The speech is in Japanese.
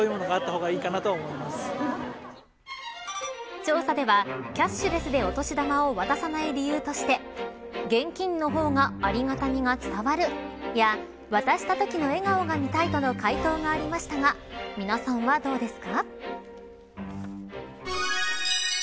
調査では、キャッシュレスでお年玉を渡さない理由として現金の方がありがたみが伝わるや渡したときの笑顔が見たいとの回答がありましたが皆さんはどうですか。